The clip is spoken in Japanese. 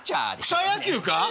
草野球か？